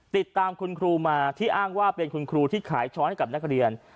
ติดตามคุณครูมาที่อ้างว่าเป็นคุณครูที่ขายช้อนให้กับนักเรียน